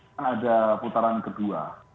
kan ada putaran kedua